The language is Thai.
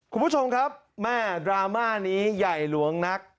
คุณผู้ชมครับแม่ดราม่านี้ใหญ่หลวงนัก